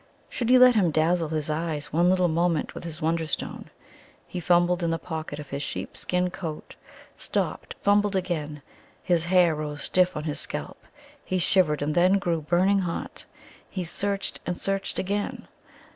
Should he let him dazzle his eyes one little moment with his Wonderstone? He fumbled in the pocket of his sheep skin coat, stopped, fumbled again. His hair rose stiff on his scalp. He shivered, and then grew burning hot. He searched and searched again.